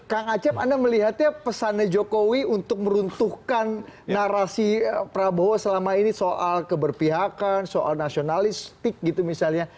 kang acep anda melihatnya pesannya jokowi untuk meruntuhkan narasi prabowo selama ini soal keberpihakan soal nasionalistik gitu misalnya